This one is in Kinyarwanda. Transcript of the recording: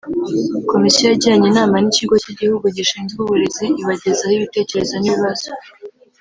Komisiyo Yagiranye Inama N Ikigo Cy Igihugu Gishinzwe Uburezi Ibagezaho Ibitekerezo N Ibibazo